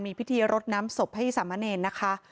มีพิธีรดน้ำศพให้สามะเนรนะคะ